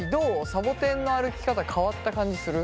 さぼてんの歩き方変わった感じする？